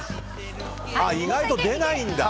意外と出ないんだ。